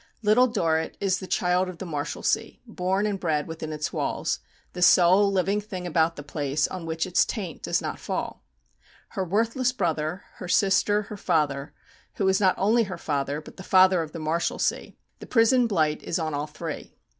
Little Dorrit is the child of the Marshalsea, born and bred within its walls, the sole living thing about the place on which its taint does not fall. Her worthless brother, her sister, her father who is not only her father, but the "father of the Marshalsea" the prison blight is on all three.